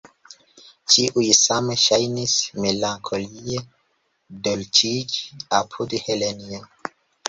Ĉiuj same ŝajnis melankolie dolĉiĝi apud Helenjo.